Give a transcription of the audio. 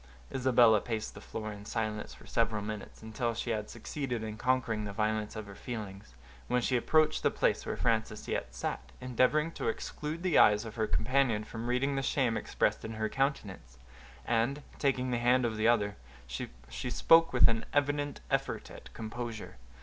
Isabella paced the floor in silence for several minutes, until she had succeeded in conquering the violence of her feelings, when she approached the place where Frances yet sat, endeavoring to exclude the eyes of her companion from reading the shame expressed in her countenance, and, taking the hand of the other, she spoke with an evident effort at composure.